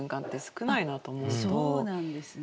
そうなんですね。